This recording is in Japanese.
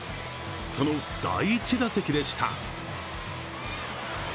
その第１打席でした。